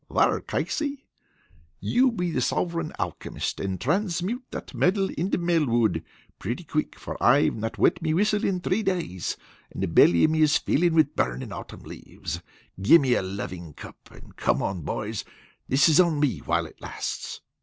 "There, Casey, you be the Sovereign Alchemist, and transmute that metal into Melwood pretty quick, for I've not wet me whistle in three days, and the belly of me is filled with burnin' autumn leaves. Gimme a loving cup, and come on boys, this is on me while it lasts."